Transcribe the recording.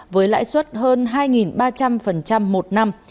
với lãi suất hơn hai ba trăm linh một năm